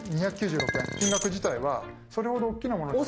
金額自体はそれほど大きなものではない。